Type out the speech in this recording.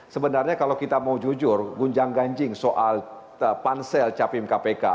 sebenarnya kalau kita mau jujur gunjang ganjing soal pansel capim kpk